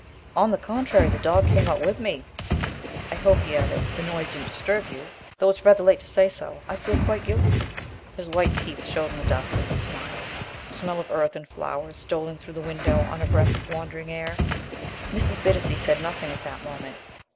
"On the contrary. The dog came out with me. I hope," he added, "the noise didn't disturb you, though it's rather late to say so. I feel quite guilty." His white teeth showed in the dusk as he smiled. A smell of earth and flowers stole in through the window on a breath of wandering air. Mrs. Bittacy said nothing at the moment.